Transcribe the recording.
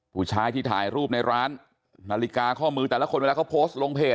ผู้ชายที่ถ่ายรูปในร้านนาฬิกาข้อมือแต่ละคนเวลาเขาโพสต์ลงเพจ